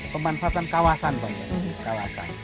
pemanfaatan kawasan pak